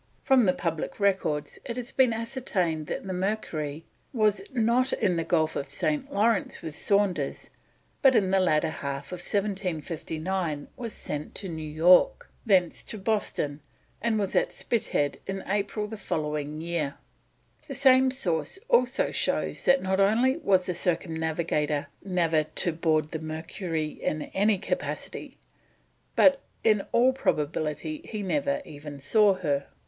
From the Public Records it has been ascertained that the Mercury was not in the Gulf of St. Lawrence with Saunders, but in the latter half of 1759 was sent to New York, thence to Boston, and was at Spithead in April the following year. The same source also shows that not only was the Circumnavigator never on board the Mercury in any capacity, but in all probability he never even saw her.